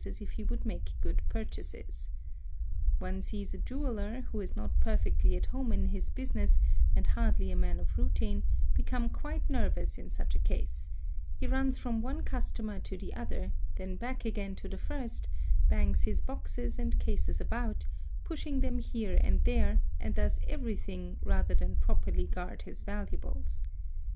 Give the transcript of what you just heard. as if he would make good purchases. One sees a jeweller who is — not perfectly at home in his business and hardly a man of routine, become quite nervous in such a case; he runs from one customer to the y other, then back again to the first, bangs his boxes and cases about, pushing them here and there, and does everything rather than properly — guard his valuables.